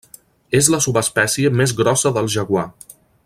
És la subespècie més grossa del jaguar.